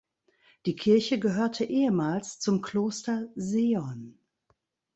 Die Kirche gehörte ehemals zum Kloster Seeon.